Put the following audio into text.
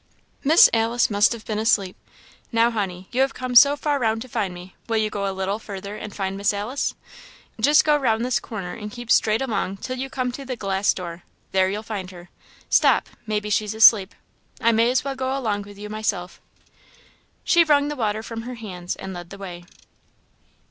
"Miss Alice must ha' been asleep. Now, honey, you have come so far round to find me, will you go a little further and find Miss Alice? Just go round this corner, and keep straight along till you come to the glass door there you'll find her. Stop! may be she's asleep; I may as well go along with you myself." She wrung the water from her hands and led the way.